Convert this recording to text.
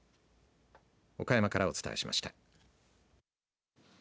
岡山からお伝えしました。